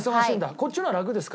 こっちの方がラクですか？